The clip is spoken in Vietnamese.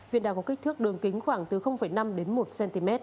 huyện đã có kích thước đường kính khoảng từ năm đến một